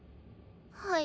はい。